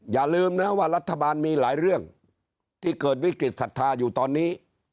อย่าลืมนะว่ารัฐบาลมีหลายเรื่องที่เกิดวิกฤตศรัทธาอยู่ตอนนี้